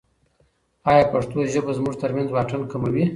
ایا پښتو ژبه زموږ ترمنځ واټن کموي؟